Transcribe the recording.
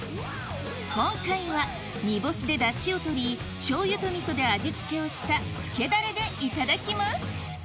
今回は煮干しでダシを取り醤油と味噌で味付けをしたつけダレでいただきます